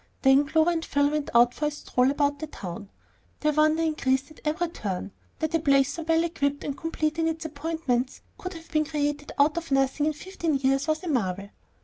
Then Clover and Phil went out for a stroll about the town. Their wonder increased at every turn; that a place so well equipped and complete in its appointments could have been created out of nothing in fifteen years was a marvel!